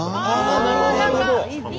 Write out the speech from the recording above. ああなるほどなるほど。